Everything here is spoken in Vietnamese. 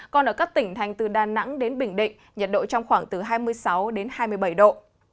còn ở các tỉnh thành từ đà nẵng đến bình định nhiệt độ trong khoảng từ hai mươi sáu đến hai mươi bảy độ